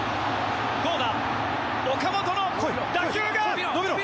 どうだ？